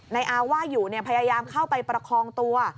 ในอาวไหว้อยู่เนี่ยพยายามเข้าไปประคองตัว